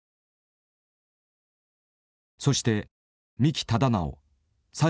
そして三木忠直３７歳。